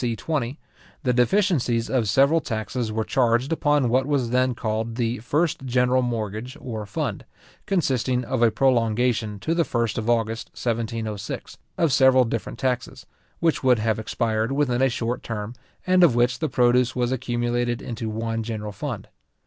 c. 20, the deficiencies of several taxes were charged upon what was then called the first general mortgage or fund, consisting of a prolongation to the first of August 1706, of several different taxes, which would have expired within a shorter term, and of which the produce was accumulated into one general fund.